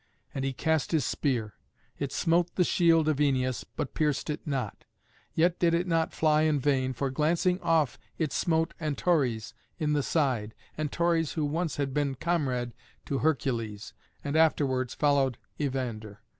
And he cast his spear. It smote the shield of Æneas, but pierced it not. Yet did it not fly in vain, for glancing off it smote Antores in the side Antores who once had been comrade to Hercules, and afterwards followed Evander.